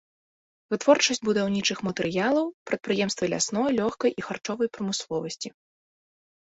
Вытворчасць будаўнічых матэрыялаў, прадпрыемствы лясной, лёгкай і харчовай прамысловасці.